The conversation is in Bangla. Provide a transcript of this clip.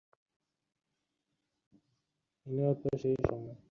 আমার পিতা তোমার পিতার গুরু ছিলেন, সুতরাং আমি তোমার গুরু হইব।